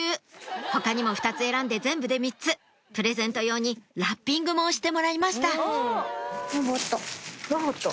他にも２つ選んで全部で３つプレゼント用にラッピングもしてもらいましたロボット？